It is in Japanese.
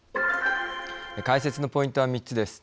解説のポイントは３つです。